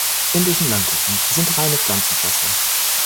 Indischen Languren sind reine Pflanzenfresser.